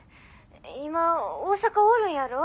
今大阪おるんやろ？